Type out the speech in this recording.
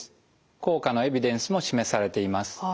効果のエビデンスも示されています。